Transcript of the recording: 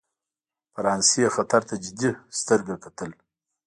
فرانسې خطر ته جدي سترګه کېدل.